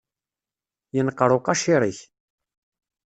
Yenqer uqacir-ik.